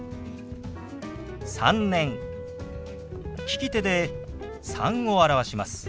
利き手で「３」を表します。